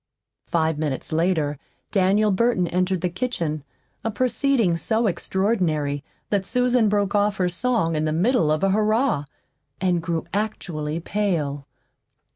Five minutes later Daniel Burton entered the kitchen a proceeding so extraordinary that Susan broke off her song in the middle of a "Hurrah" and grew actually pale.